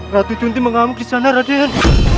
ratu cunti mengamuk di sana raden